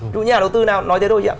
những nhà đầu tư nào nói thế thôi chị ạ